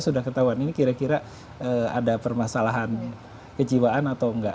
sudah ketahuan ini kira kira ada permasalahan kejiwaan atau enggak